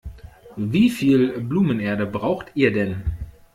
Wie viel Blumenerde braucht ihr denn?